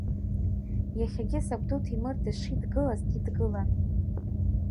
Иахьагьы сабду Ҭемраз дышидгылаз, дидгылан.